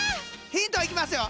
ヒントいきますよ